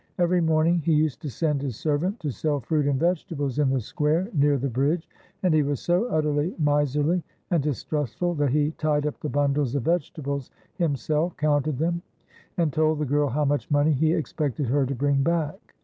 Every morning he used to send his servant to sell fruit and vegetables in the square near the bridge, and he was so utterly miserly and distrustful that he tied up the bimdles of vegetables himself, counted them, and told the girl how much money he expected her to bring back.